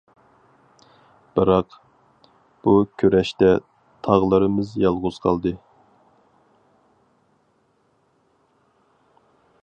بىراق، بۇ كۈرەشتە تاغلىرىمىز يالغۇز قالدى.